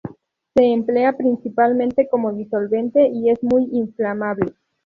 Se emplea principalmente como disolvente y es muy inflamable.